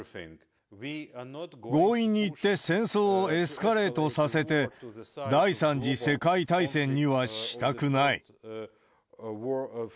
強引にいって戦争をエスカレートさせて、第３次世界大戦にはしたくない。